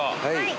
はい。